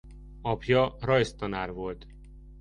Apja rajztanár volt.